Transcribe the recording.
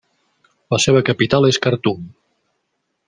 La seva capital és Khartum.